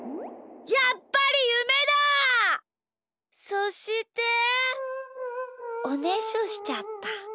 そしておねしょしちゃった。